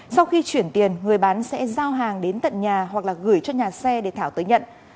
sau khi chuyển tiền người bán sẽ giao hàng đến tận nhà hoặc là gửi cho nhà xe để thảo tới nhận